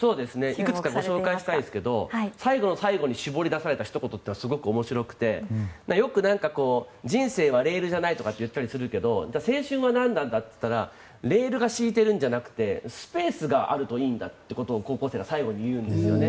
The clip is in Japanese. いくつかご紹介したいですが最後の最後に絞り出されたひと言というのはすごく面白くてよく、人生はレールじゃないとか言ったりするけど青春は何なんだっていったらレールが敷いてるんじゃなくてスペースがあるといいんだってことを高校生が最後に言うんですよね。